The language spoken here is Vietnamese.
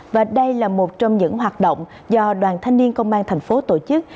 và đây là một trong những hoạt động do đoàn thanh niên công an tp hcm tổ chức